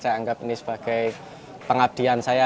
saya anggap ini sebagai pengabdian saya